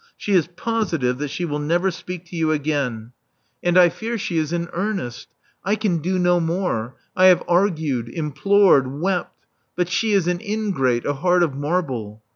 She is pv^Miixe tliat she will never speak to you again; and I Love Among the Artists 373 fear she is in earnest. I can do no more. I have argued — implored — wept; but she is an ingrate, a heart of marble.